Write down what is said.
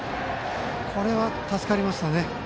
これは、助かりましたね。